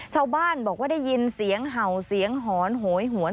ชาวบ้านบอกว่าได้ยินเสียงเห่าเสียงหอนโหยหวน